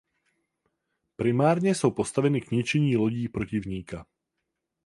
Primárně jsou postaveny k ničení lodí protivníka.